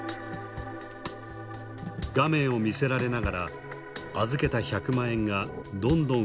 画面を見せられながら預けた１００万円がどんどん増えていると説明された。